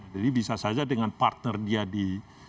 jadi bisa saja dengan partner dia di